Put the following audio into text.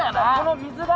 水が。